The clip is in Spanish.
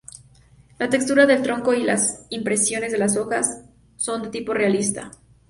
La textura del tronco y las impresiones de las hojas son de tipo realista.